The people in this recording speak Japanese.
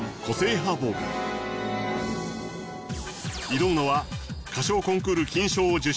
挑むのは歌唱コンクール金賞を受賞